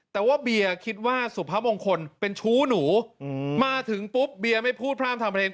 แต่ว่าเบียร์คิดว่าสุพมงคลเป็นชู้หนูมาถึงปุ๊บเบียร์ไม่พูดพร่ำทำเพลง